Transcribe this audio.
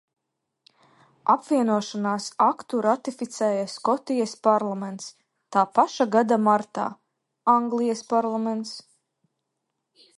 Apvienošanās aktu ratificēja Skotijas parlaments, tā paša gada martā – Anglijas parlaments.